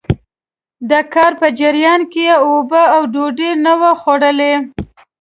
د کار په جريان کې يې اوبه او ډوډۍ نه وو خوړلي.